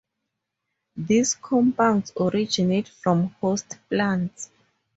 These compounds originate from host plants.